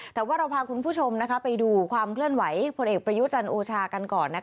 แต่ว่าเราพาคุณผู้ชมไปดูความเคลื่อนไหวพลเอกประยุจันทร์โอชากันก่อน